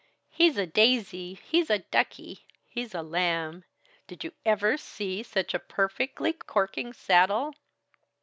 "He's a daisy; he's a ducky; he's a lamb. Did you ever see such a perfectly corking saddle?"